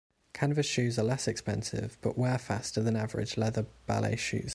Canvas shoes are less expensive but wear faster than average leather ballet shoes.